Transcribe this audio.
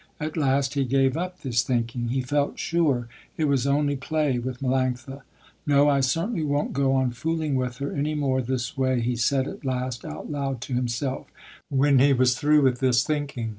At last he gave up this thinking. He felt sure it was only play with Melanctha. "No, I certainly won't go on fooling with her any more this way," he said at last out loud to himself, when he was through with this thinking.